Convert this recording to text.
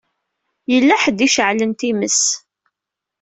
Yella ḥedd i iceɛlen times.